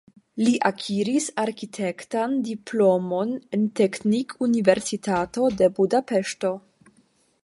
Li akiris arkitektan diplomon en Teknikuniversitato de Budapeŝto.